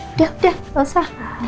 udah udah elsa